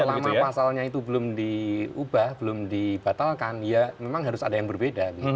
selama pasalnya itu belum diubah belum dibatalkan ya memang harus ada yang berbeda